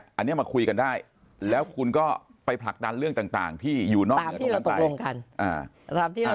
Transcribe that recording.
อันนี้มาคุยกันได้แล้วคุณก็ไปผลักดันเรื่องต่างที่อยู่นอกเหนือตรงนั้น